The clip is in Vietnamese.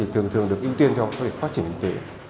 thường thường được ưu tiên cho phát triển kinh tế